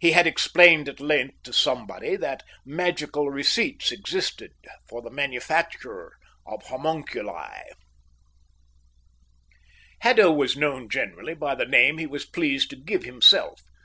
He had explained at length to somebody that magical receipts existed for the manufacture of homunculi. Haddo was known generally by the name he was pleased to give himself.